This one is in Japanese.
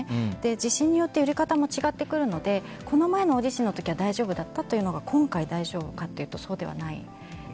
地震によって揺れ方も違ってくるのでこの前の大地震の時は大丈夫だったというのが今回、大丈夫かっていうとそうではないので。